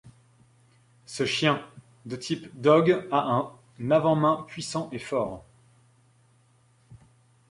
Ce chien, de type dogue, a un avant-main puissant et fort.